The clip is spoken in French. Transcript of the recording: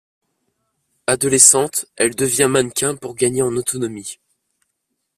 Adolescente, elle devient mannequin pour gagner en autonomie.